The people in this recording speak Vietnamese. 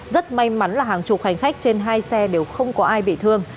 rất may mắn là hàng chục hành khách trên hai xe đều không có ai bị thương